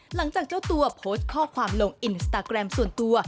หลังจากเจ้าตัวโพสต์ข้อความลงอินสตาแกรมส่วนตัว